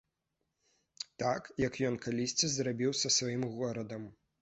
Так, як ён калісьці зрабіў са сваім горадам.